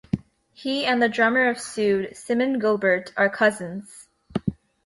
He and the drummer of Suede, Simon Gilbert, are cousins.